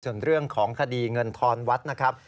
ส่วนเรื่องของคดีเงินทอนวัดนะครับ